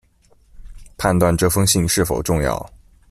判断这封信是否重要